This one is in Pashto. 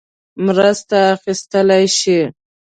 مرسته اخیستلای شي.